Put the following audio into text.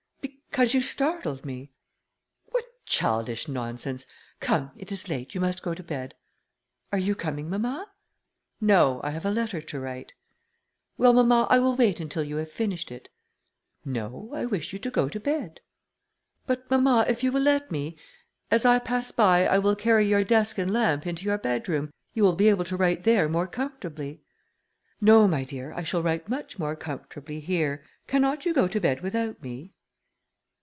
"Because you startled me." "What childish nonsense! Come, it is late, you must go to bed." "Are you coming, mamma?" "No, I have a letter to write." "Well, mamma, I will wait until you have finished it." "No, I wish you to go to bed." "But, mamma, if you will let me, as I pass by, I will carry your desk and lamp into your bedroom, you will be able to write there more comfortably." "No, my dear, I shall write much more comfortably here. Cannot you go to bed without me?"